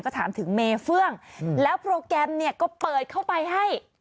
ก็ถามถึงเมเฟื่องแล้วโปรแกรมเนี่ยก็เปิดเข้าไปให้